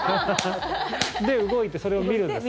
で、動いてそれを見るんですか？